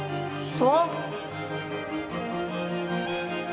そう。